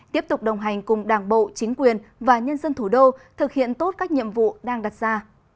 tiếp tục đồng hành cùng đảng bộ chính quyền và nhân dân thủ đô thực hiện tốt các nhiệm vụ đang đặt ra